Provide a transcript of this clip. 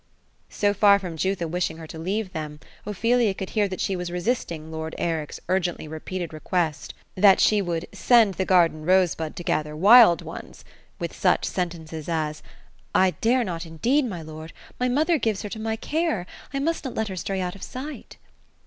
So far from Jutha wishing her to leave them, Ophelia could hear that she wm resisting lord Eric's urgently repeated request that she THE ROSE OF ELSINORE. 213 tvould ''send the garden rosebud to gather wild ones," with such senten ces as, " I dare not, indeed, my lord ; my mother gives licr to my care ; I must not let her stray out of sight."